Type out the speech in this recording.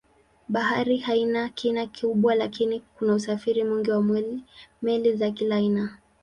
Bahari haina kina kubwa lakini kuna usafiri mwingi wa meli za kila aina.